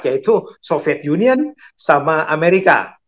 yaitu soviet union sama amerika